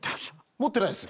持ってないです。